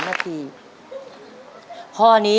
เยี่ยม